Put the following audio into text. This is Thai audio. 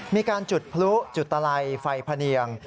มีการจุดพลุจุดตะไลไฟพะเนียง